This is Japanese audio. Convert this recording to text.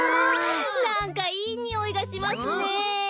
なんかいいにおいがしますねえ。